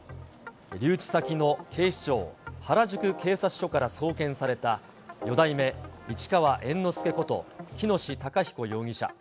留置先の警視庁原宿警察署から送検された、四代目市川猿之助こと、喜熨斗孝彦容疑者。